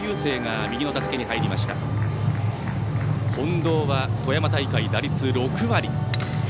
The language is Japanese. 近藤は富山大会、打率６割。